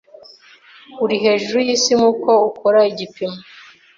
uri hejuru yisi nkuko ukora igipimo